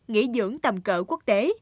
nghỉ dưỡng tầm cỡ quốc tế